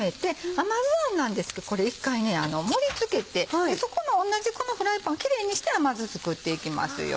甘酢あんなんですけどこれ一回盛り付けてそこの同じこのフライパンをキレイにして甘酢作っていきますよ。